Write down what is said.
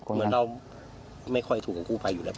เหมือนเราไม่ค่อยถูกของกู้ภัยอยู่แล้ว